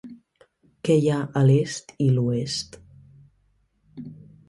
Què hi ha a l'est i l'oest?